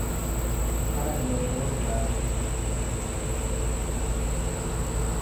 paraleeloogiraamii